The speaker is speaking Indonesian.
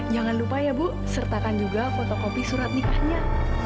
jangan lupa ya bu sertakan juga fotokopi surat nikahnya